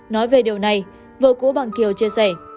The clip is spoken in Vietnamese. nói về điều này vợ cũ bằng kiều chia sẻ